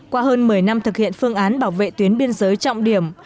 qua hơn một mươi năm thực hiện phương án bảo vệ tuyến biên giới trọng điểm